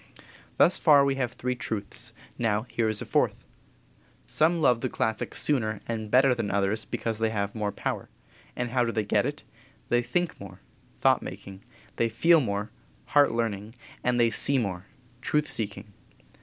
Thus far we have three truths; now here is a fourth: Some love the classics sooner and better than others because they have more power. And how do they get it? They think more (thought making); they feel more (heart learning); and they see more (truth seeking).